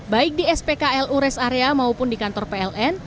baik di spklu rest area maupun di kantor pln